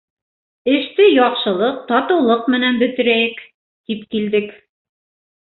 Эште яҡшылыҡ, татыулыҡ менән бөтөрәйек, тип килдек.